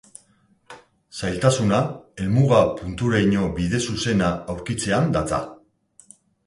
Zailtasuna, helmuga punturaino bide zuzena aurkitzean datza.